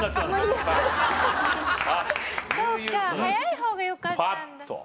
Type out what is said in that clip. そうか早い方がよかったんだ。